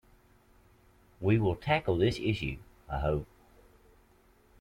We will tackle this issue, I hope.